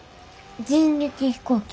人力飛行機。